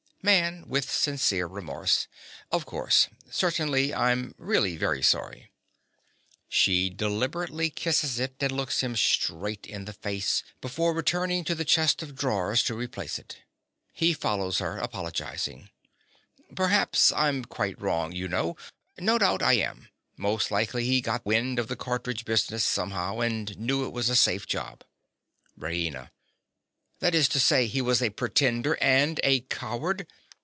MAN. (with sincere remorse). Of course. Certainly. I'm really very sorry. (_She deliberately kisses it, and looks him straight in the face, before returning to the chest of drawers to replace it. He follows her, apologizing._) Perhaps I'm quite wrong, you know: no doubt I am. Most likely he had got wind of the cartridge business somehow, and knew it was a safe job. RAINA. That is to say, he was a pretender and a coward!